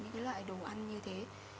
những loại đồ ăn như thế